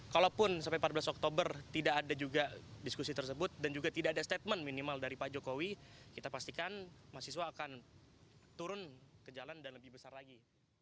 kalaupun sampai empat belas oktober tidak ada juga diskusi tersebut dan juga tidak ada statement minimal dari pak jokowi kita pastikan mahasiswa akan turun ke jalan dan lebih besar lagi